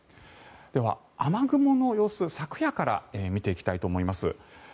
では、雨雲の様子昨夜から見ていきたいと思います。